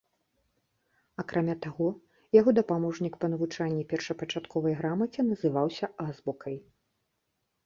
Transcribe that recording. Акрамя таго, яго дапаможнік па навучанні першапачатковай грамаце называўся азбукай.